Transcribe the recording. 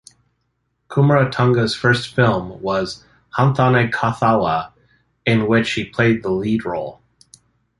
Kumaratunga's first film was "Hanthane Kathawa", in which he played the lead role.